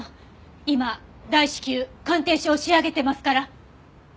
今大至急鑑定書を仕上げてますから！